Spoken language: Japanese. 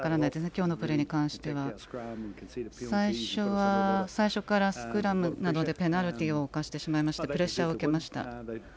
今日のプレーに関しては最初からスクラムなどでペナルティーを犯してしまいましてプレッシャーを受けました。